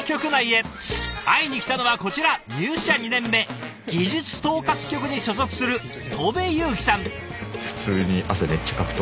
会いに来たのはこちら入社２年目技術統括局に所属する戸部雄輝さん。